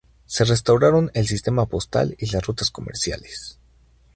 Se restauraron el sistema postal y las rutas comerciales.